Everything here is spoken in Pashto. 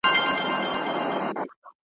د ښځو او نجونو ,